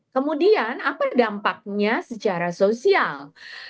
kemudian apa dampaknya secara sosial